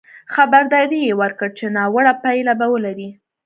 خبرداری یې ورکړ چې ناوړه پایلې به ولري.